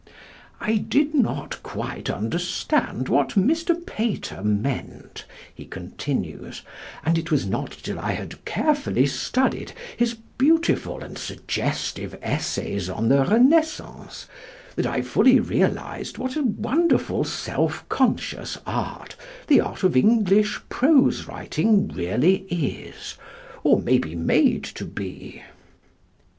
"I did not quite understand what Mr. Pater meant," he continues, "and it was not till I had carefully studied his beautiful and suggestive essays on the Renaissance that I fully realised what a wonderful self conscious art the art of English prose writing really is, or may be made to be."